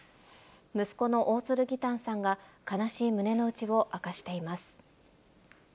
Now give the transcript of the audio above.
息子の大鶴義丹さんが悲しい胸の内を明かしています。